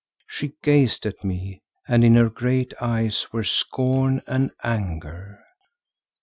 She gazed at me and in her great eyes were scorn and anger.